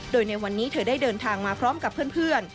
โดยในวันนี้เธอได้เดินทางมาพร้อมกับเพื่อน